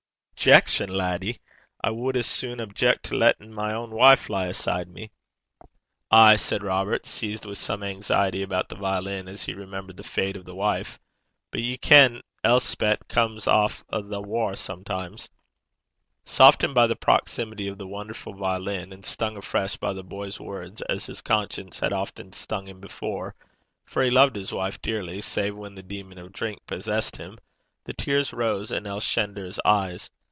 'Objection, laddie? I wad as sune objeck to lattin' my ain wife lie aside me.' 'Ay,' said Robert, seized with some anxiety about the violin as he remembered the fate of the wife, 'but ye ken Elspet comes aff a' the waur sometimes.' Softened by the proximity of the wonderful violin, and stung afresh by the boy's words as his conscience had often stung him before, for he loved his wife dearly save when the demon of drink possessed him, the tears rose in Elshender's eyes.